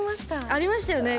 ありましたよね